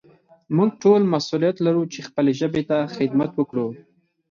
موږ ټول مسؤليت لرو چې خپلې ژبې ته خدمت وکړو.